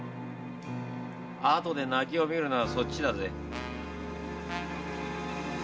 あとで泣きをみるのはそっちだぜ。